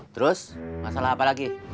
terus masalah apa lagi